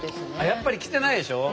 やっぱり来てないでしょ？